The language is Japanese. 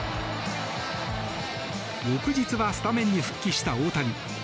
翌日はスタメンに復帰した大谷。